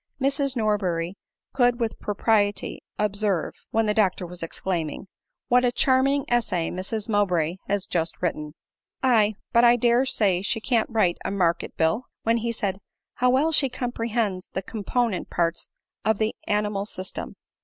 Mrs Norberry could with propriety observe, when the doctor was exclaiming, " What a charming essay Mrs Mowbray has just written!" " Aye— but I dare say she can't write a market bill." When he said, "How well she comprehends the component parts of the animal system